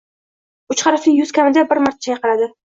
Uch harfli yuz kamida bir marta chayqaladi